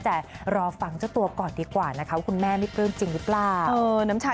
แต่รอฟังเจ้าตัวก่อนดีกว่านะคะว่าคุณแม่ไม่ปลื้มจริงหรือเปล่า